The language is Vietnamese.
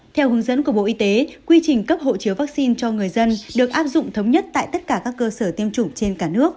theo hướng dẫn của bộ y tế quy trình cấp hộ chiếu vaccine cho người dân được áp dụng thống nhất tại tất cả các cơ sở tiêm chủng trên cả nước